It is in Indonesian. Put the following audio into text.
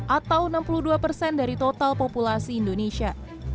atau enam puluh dua persen dari total populasi indonesia